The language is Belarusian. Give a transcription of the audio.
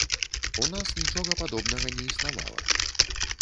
У нас нічога падобнага не існавала.